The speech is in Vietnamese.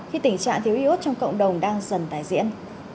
khi tình trạng thiếu iốt trong cộng đồng đang dần tài diện